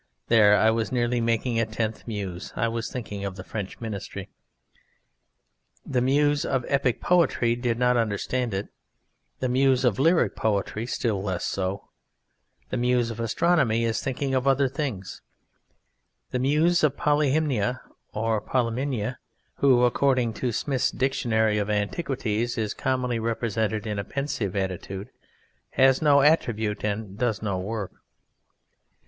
There I was nearly making a tenth Muse! I was thinking of the French Ministry.) The Muse of Epic Poetry did not understand it; The Muse of Lyric Poetry still less so; The Muse of Astronomy is thinking of other things; The Muse Polyhymnia (or Polymnia, who, according to Smith's Dictionary of Antiquities, is commonly represented in a pensive attitude) has no attribute and does no work.